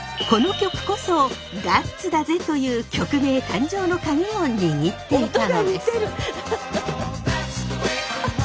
この曲こそ「ガッツだぜ！！」という曲名誕生のカギを握っていたのです！